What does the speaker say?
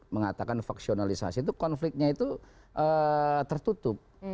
mengatakan faksionalisasi itu konfliknya itu tertutup